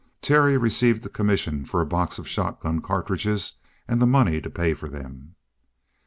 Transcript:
Terry received the commission for a box of shotgun cartridges and the money to pay for them.